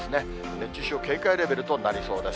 熱中症、警戒レベルとなりそうです。